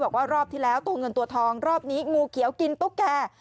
บอกว่ารอบที่แล้วตัวเงินตัวทองรอบนี้งูเขียวกินตุ๊กแก่